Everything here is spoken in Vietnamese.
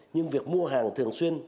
nhưng việc mua hàng thường xuyên